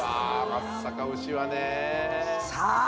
松阪牛はね・さあ